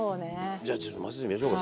じゃあちょっと混ぜてみましょうか。